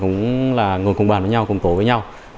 ngồi cùng bàn với nhau